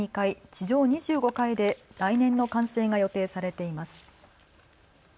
地上２５階で来年の完成が予定されています。